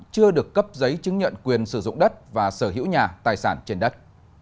chưa được cấp giấy chứng nhận quyền sử dụng đất và sở hữu nhà tài sản trên đất